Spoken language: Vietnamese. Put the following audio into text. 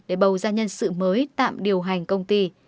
để bầu ra nhân sự mới tạm điều hành công ty